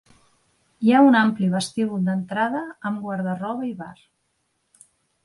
Hi ha un ampli vestíbul d'entrada amb guarda-roba i bar.